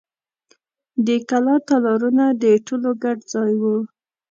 د کلا تالارونه د ټولو ګډ ځای و.